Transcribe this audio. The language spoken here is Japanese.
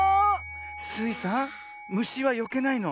スイさんむしはよけないの。